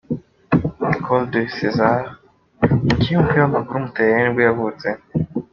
Nicolò De Cesare, umukinnyi w’umupira w’amaguru w’umutaliyani nibwo yavutse.